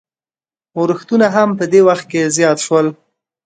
اورښتونه هم په دې وخت کې زیات شول.